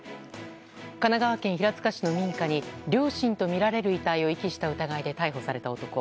神奈川県平塚市の民家に両親とみられる遺体を遺棄した疑いで逮捕された男。